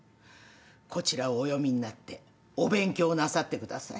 こちらをお読みになってお勉強なさってください。